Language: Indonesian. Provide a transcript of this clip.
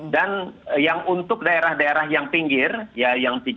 dan yang untuk daerah daerah yang pinggir ya yang lebih tinggi